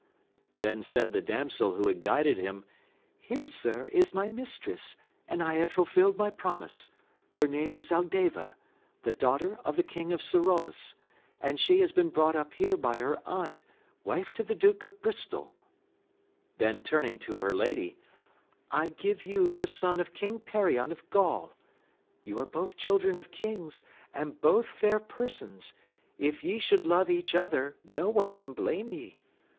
Then said the damsel who had guided him. Here, sir, is my mistress, and I have fulfilled my promise ; her name is Aldeva, the daughter of the King of Scrolls, and she has been brought up here by her aunt, wife to the Duke of Bristol Then turning to her lady, I give you the son of King Perion of Gaul; you are both children oi kings, and both fair persons : if ye should love each other no one can blame ye.